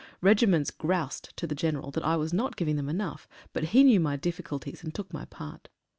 Regiments "groused" to the General that I was not giving them enough, but he knew my difficulties, and took my part.